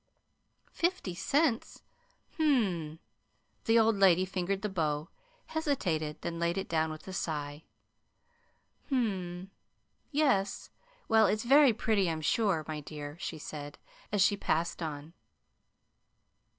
"Fifty cents? Hm m!" The old lady fingered the bow, hesitated, then laid it down with a sigh. "Hm, yes; well, it's very pretty, I'm sure, my dear," she said, as she passed on.